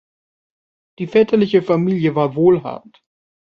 Die väterliche Familie war wohlhabend.